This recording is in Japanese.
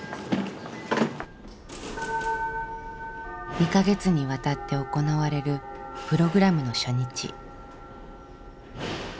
２か月にわたって行われるプログラムの初日。